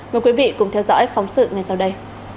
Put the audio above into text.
mời quý vị cùng theo dõi phóng sự ngay sau đây